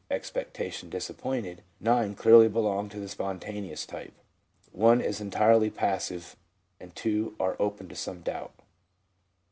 (expectation disappointed), 9 clearly belong to the spontaneous type, 1 is entirely passive, and 2 are open to some doubt.